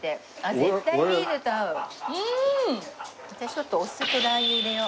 ちょっとお酢とラー油入れよう。